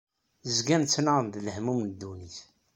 Zgan ttnaɣen d lehmum n dunnit.